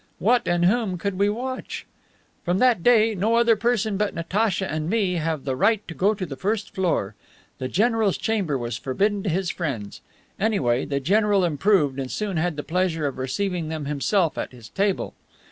what and whom could we watch? From that day, no other person but Natacha and me have the right to go to the first floor. The general's chamber was forbidden to his friends. Anyway, the general improved, and soon had the pleasure of receiving them himself at his table.